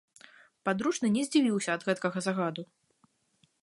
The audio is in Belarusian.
Падручны не здзівіўся ад гэткага загаду.